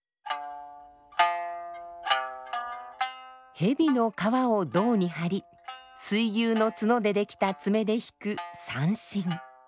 蛇の皮を胴に張り水牛の角で出来た爪で弾く三線。